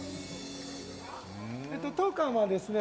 当館はですね